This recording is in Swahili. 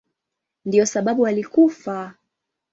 Ndiyo sababu alikufa.